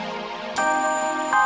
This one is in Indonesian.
jatuh seharian saja